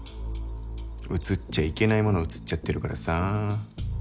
写っちゃいけないもの写っちゃってるからさ。